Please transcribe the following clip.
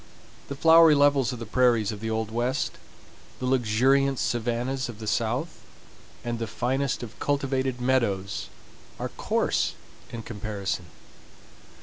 The flowery levels of the prairies of the old West, the luxuriant savannahs of the South, and the finest of cultivated meadows are coarse in comparison.